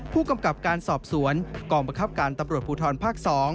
ผู้กำกับการสอบสวนกองบังคับการตำรวจภูทรภาค๒